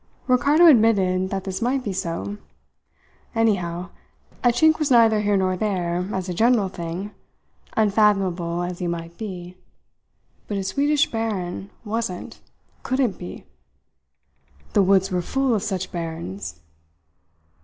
Ricardo admitted that this might be so. Anyhow, a Chink was neither here nor there, as a general thing, unfathomable as he might be; but a Swedish baron wasn't couldn't be! The woods were full of such barons.